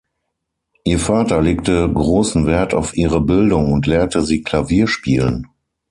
Ihr Vater legte großen Wert auf ihre Bildung und lehrte sie Klavier spielen.